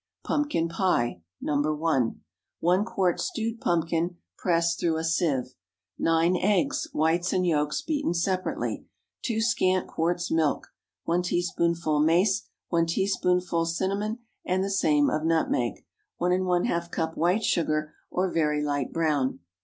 PUMPKIN PIE (No. 1.) ✠ 1 quart stewed pumpkin—pressed through a sieve. 9 eggs—whites and yolks beaten separately. 2 scant quarts milk. 1 teaspoonful mace. 1 teaspoonful cinnamon, and the same of nutmeg. 1½ cup white sugar, or very light brown.